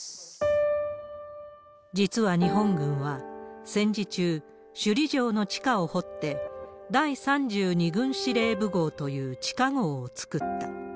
実は日本軍は戦時中、首里城の地下を掘って、第３２軍司令部ごうという地下ごうを作った。